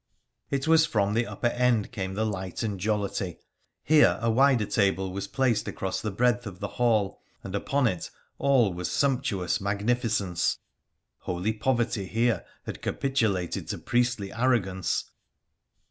It was from the upper end came the light and jollity. Here a wider table was placed across the breadth of the hall, and upon it all was sumptuous magnificence — holy poverty here had capitulated to priestly arrogance.